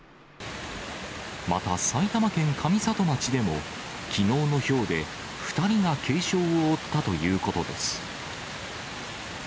また、埼玉県上里町でも、きのうのひょうで、２人が軽傷を負ったということです。